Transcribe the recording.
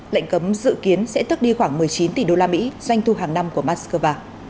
lệnh cấm dự kiến sẽ tước đi khoảng một mươi chín tỷ đô la mỹ doanh thu hàng năm của moscow